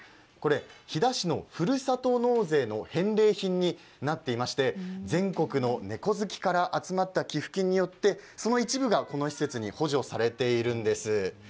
飛弾市のふるさと納税の返礼品になっていまして全国の猫好きから集まった寄付金によってその一部がこの施設に補助されているんです。